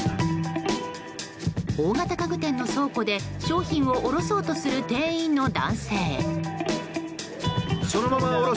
大型家具店の倉庫で、商品を下ろそうとする店員の男性。